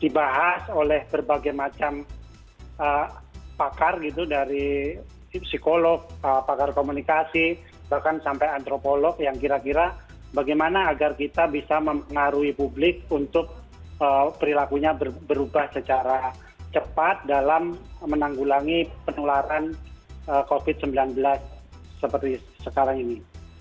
dibahas oleh berbagai macam pakar gitu dari psikolog pakar komunikasi bahkan sampai antropolog yang kira kira bagaimana agar kita bisa mengaruhi publik untuk perilakunya berubah secara cepat dalam menanggulangi penularan covid sembilan belas seperti sekarang ini